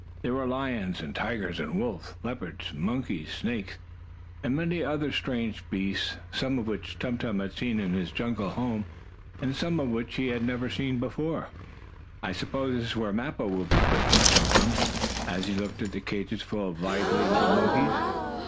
There were lions, tigers, wolves, leopards, monkeys, snakes, and many other strange beasts, some of which Tum Tum had seen in his jungle home, and some of which he had never before seen. "I suppose that is where Mappo will be put," thought Tum Tum, as he looked at the cages full of lively little monkey chaps.